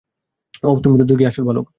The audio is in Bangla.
ওয়াও, তুমি ত দেখি আসল ভালুক।